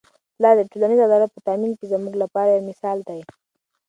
پلار د ټولنیز عدالت په تامین کي زموږ لپاره یو مثال دی.